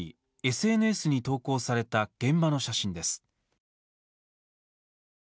ＳＮＳに投稿された現場の写真です。